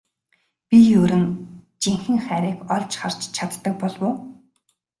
Бид ер нь жинхэнэ хайрыг олж харж чаддаг болов уу?